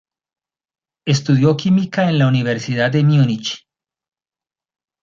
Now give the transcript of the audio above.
Estudió Química en la Universidad de Múnich.